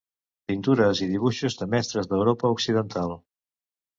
Pintures i dibuixos de mestres d'Europa occidental.